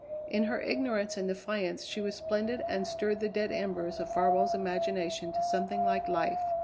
In her ignorance and defiance she was splendid and stirred the dead embers of Farwell's imagination to something like life.